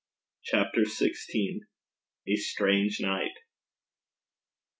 CHAPTER XVI. A STRANGE NIGHT.